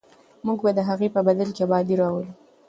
موږ به د هغې په بدل کې ابادي راولو.